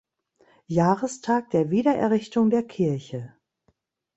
Jahrestag der Wiedererrichtung der Kirche.